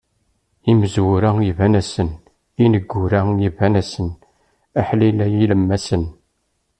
Imezwura iban-asen, ineggura iban-asen, aḥlil a yilemmasen.